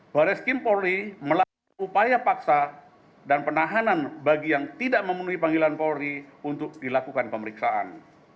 baris kim polri melakukan upaya paksa dan penahanan bagi yang tidak memenuhi panggilan polri untuk dilakukan pemeriksaan